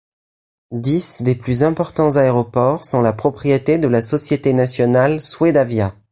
Dix des plus importants aéroports sont la propriété de la société nationale Swedavia.